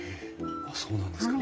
あっそうなんですか。